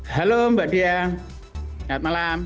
halo mbak diah selamat malam